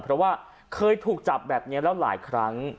เพราะว่าเคยถูกจับแบบนี้แล้วหลายครั้ง